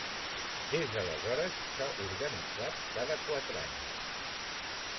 Des d'aleshores s'ha organitzat cada quatre anys.